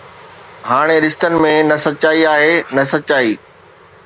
هاڻي رشتن ۾ نه سچائي آهي نه سچائي